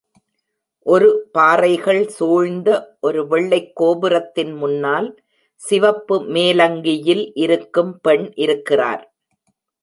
ஒரு பாறைகள் சூழ்ந்த ஒரு வெள்ளைக் கோபுரத்தின் முன்னால் சிவப்பு மேலங்கியில் இருக்கும் பெண் இருக்கிறார்.